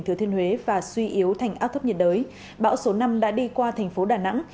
thừa thiên huế và suy yếu thành áp thấp nhiệt đới bão số năm đã đi qua thành phố đà nẵng